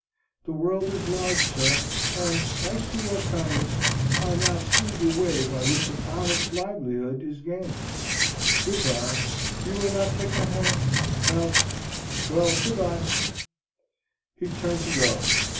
The world is large, sir, and, thanks to your kindness, I now see the way by which an honest livelihood is gained. Good by. You will not take my hand? Well, well. Good by." He turned to go.